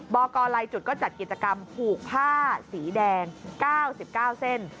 บอกกรลายจุดก็จัดกิจกรรมผูกผ้าสีแดง๙๙เส้น